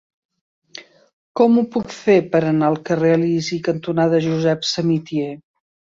Com ho puc fer per anar al carrer Elisi cantonada Josep Samitier?